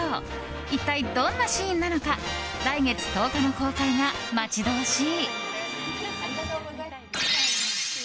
一体どんなシーンなのか来月１０日の公開が待ち遠しい。